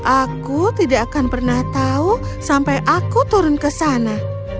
aku tidak akan pernah tahu sampai aku turun ke sana